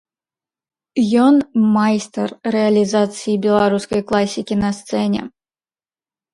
Ён майстар рэалізацыі беларускай класікі на сцэне.